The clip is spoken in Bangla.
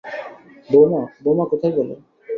বউমা, বউমা কোথায় গেল।